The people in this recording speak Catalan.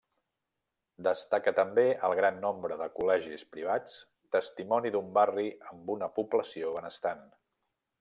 Destaca també el gran nombre de col·legis privats, testimoni d'un barri amb una població benestant.